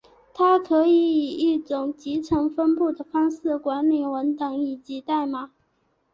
它可以以一种集成分布的方式管理文档以及代码。